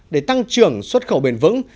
để tăng trưởng xuất khẩu bền vững